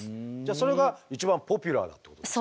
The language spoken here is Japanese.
それが一番ポピュラーだってことですか。